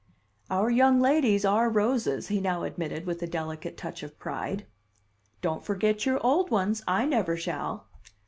"Our young ladies are roses," he now admitted with a delicate touch of pride. "Don't forget your old ones! I never shall."